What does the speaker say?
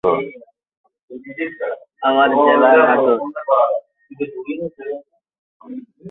জাদুঘরে মূর্তি, painting, mural, মুদ্রা এবং অস্ত্রের জন্য নিবেদিত পৃথক গ্যালারি রয়েছে।